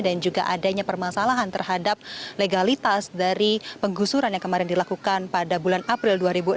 dan juga adanya permasalahan terhadap legalitas dari penggusuran yang kemarin dilakukan pada bulan april dua ribu enam belas